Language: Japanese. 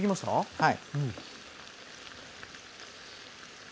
はい。